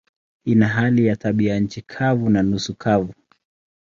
Ina hali ya tabianchi kavu na nusu kavu.